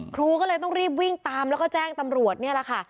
ครูก็เลยต้องรีบวิ่งตามแล้วก็แจ้งตำรวจนี่แหละค่ะ